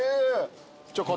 じゃあ。